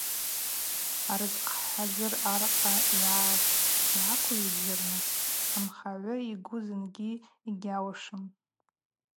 Арызкъхӏазыр архъа йгӏаквижьырныс анхагӏвы йгвы зынгьи йгьауашым.